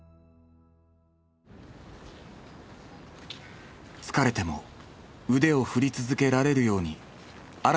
疲れても腕を振り続けられるように新たな練習を始めた。